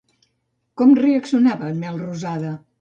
Com reaccionava en Melrosada?